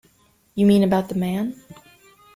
You mean about the man?